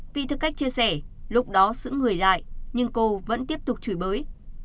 vì thực khách chia sẻ lúc đó sững người lại nhưng cô vẫn tiếp tục chửi bới